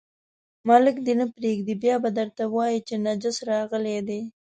ملک دې نه پرېږدي، بیا به درته وایي چې نجس راغلی دی.